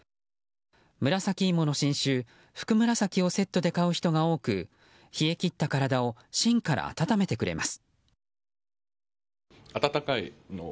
紫芋の新種、ふくむらさきをセットで買う人が多く冷え切った体を芯から温めてくれます。